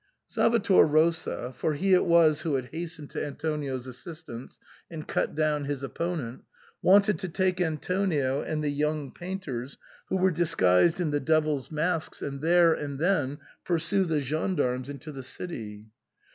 Salvator Rosa (for he it was who had hastened to An tonio's assistance and cut down his opponent) wanted to take Antonio and the young painters who were dis guised in the devils' masks and there and then pursue the gendarmes into the city.